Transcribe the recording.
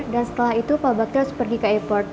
dan setelah itu pak bakti harus pergi ke airport